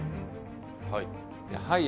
はい。